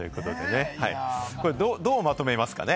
これ、どうまとめますかね？